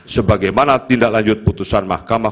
sebagaimana tindak lanjut putusan mahkamah